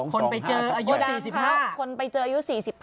คนไปเจออายุ๔๕คนไปเจออายุ๔๕